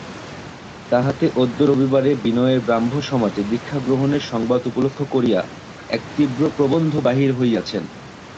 তাহাতে অদ্য রবিবারে বিনয়ের ব্রাহ্মসমাজে দীক্ষাগ্রহণের সংবাদ উপলক্ষ করিয়া এক তীব্র প্রবন্ধ বাহির হইয়াছেন।